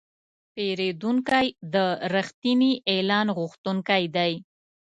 پیرودونکی د رښتیني اعلان غوښتونکی دی.